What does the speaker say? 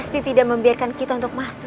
situation dimuka bu